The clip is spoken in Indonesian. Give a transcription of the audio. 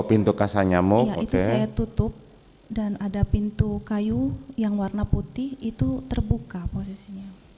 pintu kasanya itu saya tutup dan ada pintu kayu yang warna putih itu terbuka posisinya